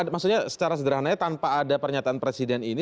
maksudnya secara sederhananya tanpa ada pernyataan presiden ini